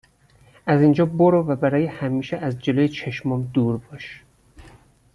از اینجا برو و برای همیشه از جلوی چشمام دور باش